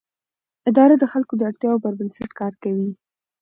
اداره د خلکو د اړتیاوو پر بنسټ کار کوي.